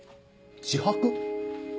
自白？